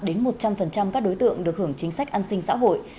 đến một trăm linh các đối tượng được hưởng chính sách an sinh xã hội